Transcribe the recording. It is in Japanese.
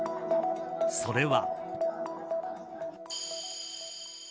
それは。